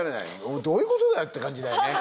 どういうことだよって感じだよね。